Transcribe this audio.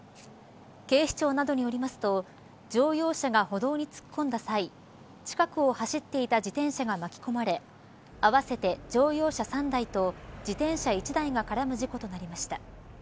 警視庁などによりますと乗用車が歩道に突っ込んだ際近くを走っていて自転車が巻き込まれ合わせて乗用車３台と自転車１台が絡む事故となりました。